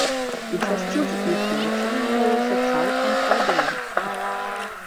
У шасці з іх навучанне вялося цалкам па-беларуску.